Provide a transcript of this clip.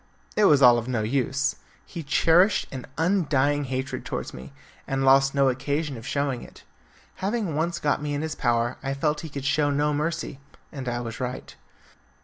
It was all of no use. He cherished an undying hatred towards me, and lost no occasion of showing it. Having once got me in his power I felt he could show no mercy, and I was right.